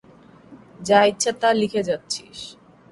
যা ইচ্ছা তা লিখে যাচ্ছিস।